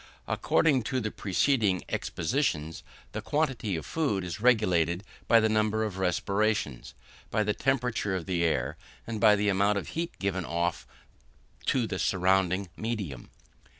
According to the preceding expositions, the quantity of food is regulated by the number of respirations, by the temperature of the air, and by the amount of heat given off to the surrounding medium.